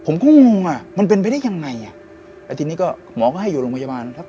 ผมก็งงอ่ะมันเป็นไปได้ยังไงอ่ะแล้วทีนี้ก็หมอก็ให้อยู่โรงพยาบาลครับ